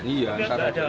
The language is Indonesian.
iya ntar aja